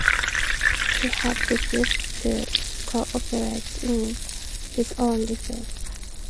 He had refused to co-operate in his own defense.